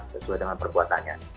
sesuai dengan perbuatannya